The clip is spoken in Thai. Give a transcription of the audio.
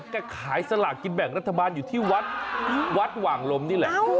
ขายสลากกินแบ่งรัฐบาลอยู่ที่วัดวัดหว่างลมนี่แหละ